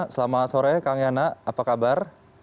selamat sore kang yana apa kabar